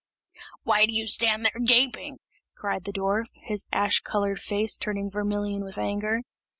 "Why do you stand there gaping?" cried the dwarf, his ash coloured face turning vermilion with anger.